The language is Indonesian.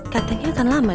katanya akan lama deh